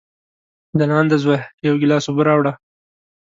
ځلانده زویه، یو ګیلاس اوبه راوړه!